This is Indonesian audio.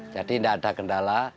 jadi enggak ada gendala